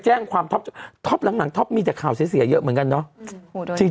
แจ้งความท็อปท็อปหลังท็อปมีแต่ข่าวเสียเยอะเหมือนกันเนาะ